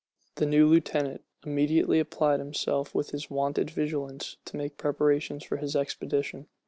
The new lieutenant immediately applied himself with his wonted vigilance to make preparations for his expedition.